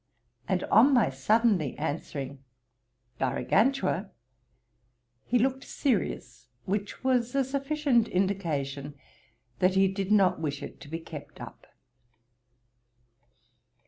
and on my suddenly answering, Garagantua, he looked serious, which was a sufficient indication that he did not wish it to be kept up.